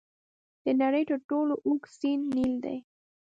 د نړۍ تر ټولو اوږد سیند نیل دی.